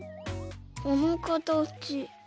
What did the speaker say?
このかたち。